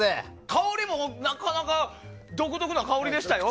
香りもなかなか独特な香りがしましたよ。